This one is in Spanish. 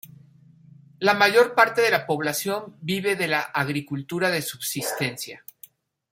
La mayor parte de la población vive de la agricultura de subsistencia.